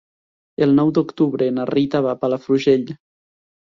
El nou d'octubre na Rita va a Palafrugell.